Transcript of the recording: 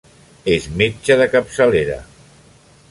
És metge de capçalera.